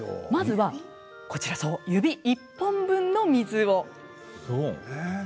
まずはこちらそう指１本分の水を。